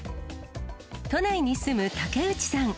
都内に住む竹内さん。